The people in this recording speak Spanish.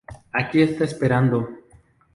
Aquí está Esperando!